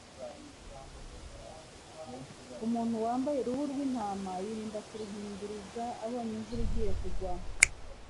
Umuntu wambaye uruhu rw’intama yirinda kuruhinduriza abonye imvura igiye kugwa,